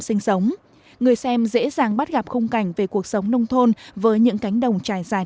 sinh sống người xem dễ dàng bắt gặp khung cảnh về cuộc sống nông thôn với những cánh đồng trải dài